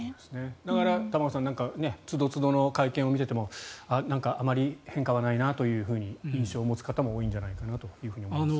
だから、玉川さんつどつどの会見を見ていてもなんか、あまり変化はないなと印象を持つ方も多いんじゃないかなと思います。